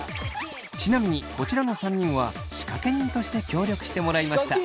ちなみにこちらの３人は仕掛け人として協力してもらいました。